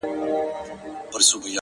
• د مېله والو مستو زلمیو ,